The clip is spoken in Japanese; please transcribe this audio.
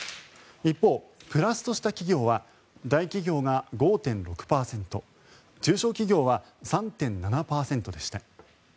一方、プラスとした企業は大企業が５．６％中小企業は３．７％でした。